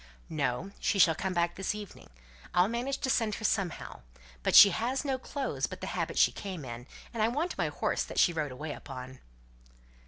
"No! She shall come back this evening. I'll manage to send her somehow. But she has no clothes but the habit she came in, and I want my horse that she rode away upon."